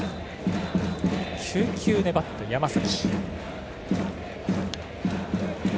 ９球粘った山崎。